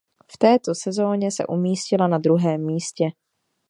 V této sezóně se umístila na druhém místě.